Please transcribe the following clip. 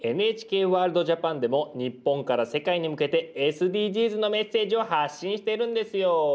「ＮＨＫワールドＪＡＰＡＮ」でも日本から世界に向けてＳＤＧｓのメッセージを発信してるんですよ。